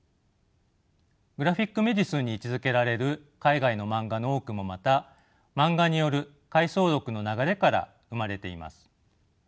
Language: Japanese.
グラフィック・メディスンに位置づけられる海外のマンガの多くもまたマンガによる回想録の流れから生まれています。